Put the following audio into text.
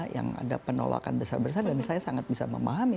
yang ada penolakan besar besar dan saya sangat bisa memahami